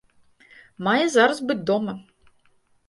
Мае зараз быць дома.